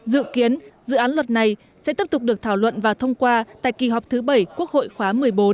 dự kiến dự án luật này sẽ tiếp tục được thảo luận và thông qua tại kỳ họp thứ bảy quốc hội khóa một mươi bốn